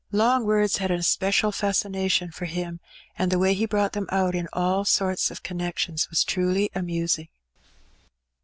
Long words had an especial fascination for him, and the way he brought them out in all sorts of connections was truly amusing.